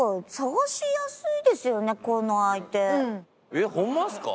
えっホンマですか？